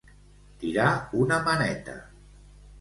Tirar una maneta.